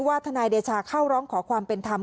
ทนายเดชาเข้าร้องขอความเป็นธรรม